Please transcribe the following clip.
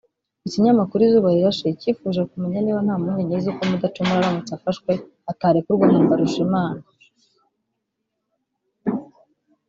Ikinyamakuru Izuba Rirashe cyifuje kumenya niba nta mpungenge z’uko Mudacumura aramutse afashwe atarekurwa nka Mbarushimana